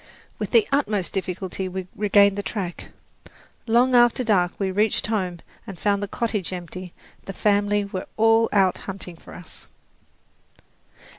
With the utmost difficulty we regained the track. Long after dark we reached home and found the cottage empty; the family were all out hunting for us.